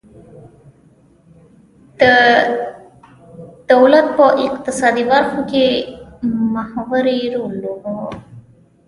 دولت په اقتصادي برخو کې محوري رول لوباوه.